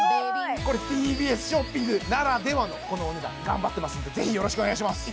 これＴＢＳショッピングならではのこのお値段頑張ってますんでぜひよろしくお願いします